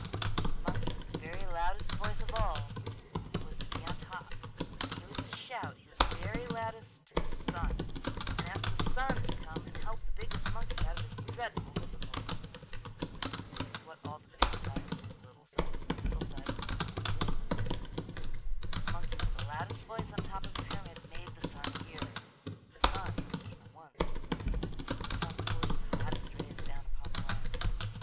The monkey with the very loudest voice of all was to be on top and he was to shout his very loudest to the sun and ask the sun to come and help the biggest monkey out of his dreadful difficulty. This is what all the big sized, little sized, middle sized monkeys did. The monkey with the loudest voice on top of the pyramid made the sun hear. The sun came at once. The sun poured his hottest rays down upon the wax.